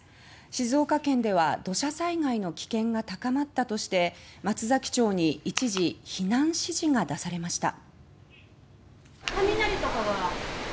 静岡県では土砂災害の危険が高まったとして松崎町に一時、避難指示が出されました。